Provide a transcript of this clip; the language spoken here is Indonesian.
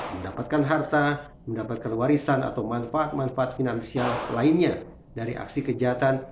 mendapatkan harta mendapatkan warisan atau manfaat manfaat finansial lainnya dari aksi kejahatan